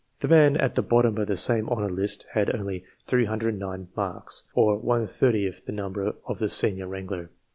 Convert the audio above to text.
The man at the bottom of the same honour list had only 309 marks, or one thirtieth the number of the senior wrangler.